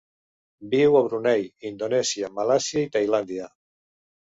Viu a Brunei, Indonèsia, Malàisia i Tailàndia.